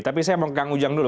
tapi saya mau ke kang ujang dulu